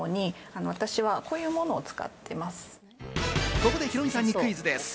ここでヒロミさんにクイズです。